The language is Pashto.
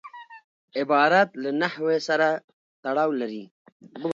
عبارت له نحو سره تړاو لري.